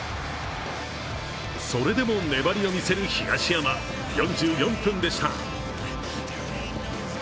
それでも粘りを見せる東山、４４分でした。